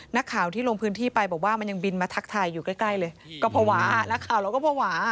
นักข่าวที่ลงพื้นที่ไปบอกว่ามันยังบินมาทักทายอยู่ใกล้ใกล้เลยก็ภาวะนักข่าวเราก็ภาวะ